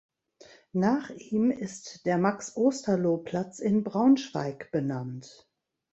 Nach ihm ist der Max-Osterloh-Platz in Braunschweig benannt.